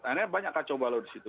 akhirnya banyak kacau balau di situ